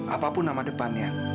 apapun nama depannya